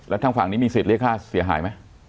แล้วทางฝั่งนี้มีสิทธิ์เรียกค่าเสียหายไหม